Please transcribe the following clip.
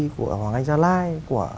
của hoàng anh gia lai